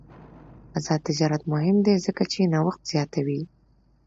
آزاد تجارت مهم دی ځکه چې نوښت زیاتوي.